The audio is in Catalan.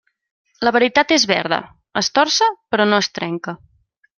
La veritat és verda; es torça però no es trenca.